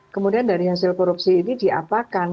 kemudian dari hasil korupsi ini diapakan